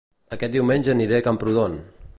Aquest diumenge aniré a Camprodon